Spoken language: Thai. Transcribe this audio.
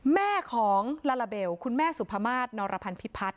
แม่ของลาลาเบลคุณแม่สุภามาศนรพันธิพัฒน